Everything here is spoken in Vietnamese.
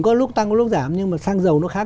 có lúc tăng có lúc giảm nhưng mà xăng dầu nó khác